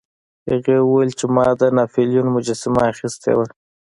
هغه وویل چې ما د ناپلیون مجسمه اخیستې وه.